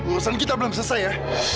urusan kita belum selesai ya